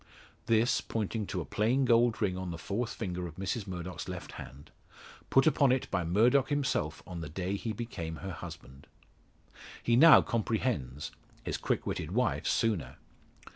This, pointing to a plain gold ring on the fourth finger of Mrs Murdock's left hand, put upon it by Murdock himself on the day he became her husband. He now comprehends his quick witted wife sooner.